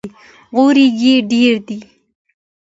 غوړي یې ډېر دي!